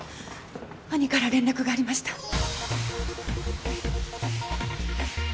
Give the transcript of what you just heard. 兄から連絡がありました。